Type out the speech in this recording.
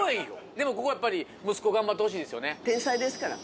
でもここはやっぱり息子頑張ってほしいですよね。